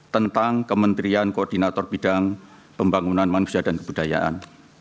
tentang kementerian koordinator bidang pembangunan manusia dan kebudayaan